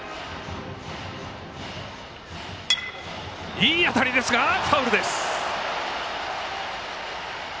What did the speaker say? いい当たりですがファウルです。